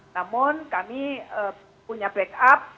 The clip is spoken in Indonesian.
namun kami punya backup